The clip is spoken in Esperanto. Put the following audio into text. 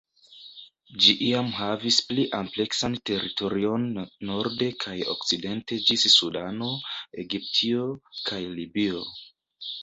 Ĝi iam havis pli ampleksan teritorion norde kaj okcidente ĝis Sudano, Egiptio, kaj Libio.